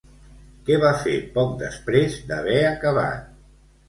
Què va fer poc després d'haver acabat?